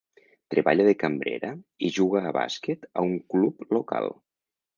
Treballa de cambrera i juga a bàsquet a un club local.